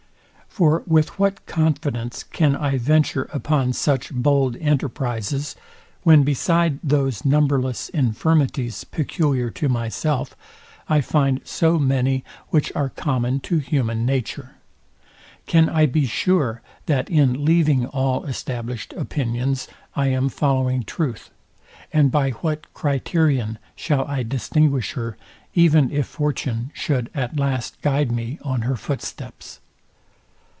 For with what confidence can I venture upon such bold enterprises, when beside those numberless infirmities peculiar to myself, I find so many which are common to human nature? Can I be sure, that in leaving all established opinions I am following truth; and by what criterion shall I distinguish her, even if fortune should at last guide me on her foot steps?